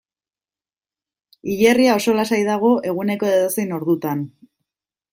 Hilerria oso lasai dago eguneko edozein ordutan.